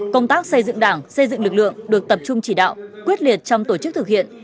công tác xây dựng đảng xây dựng lực lượng được tập trung chỉ đạo quyết liệt trong tổ chức thực hiện